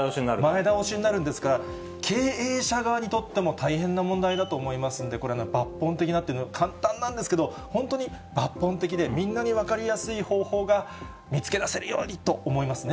前倒しになるんですから、経営者側にとっても大変な問題だと思いますんで、これ、抜本的なというのは簡単なんですけど、本当に抜本的で、みんなに分かりやすい方法が見つけ出せるようにと思いますね。